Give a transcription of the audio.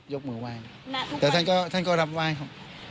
ยกมือไหว้แต่ท่านก็รับไหว้